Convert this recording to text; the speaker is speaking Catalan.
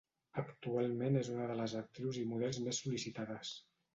Actualment és una de les actrius i models més sol·licitades.